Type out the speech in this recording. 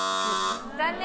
残念。